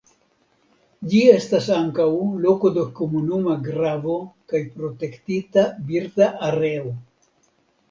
Ĝi estas ankaŭ Loko de Komunuma Gravo kaj Protektita birda areo.